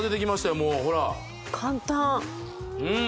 もうほら簡単うん！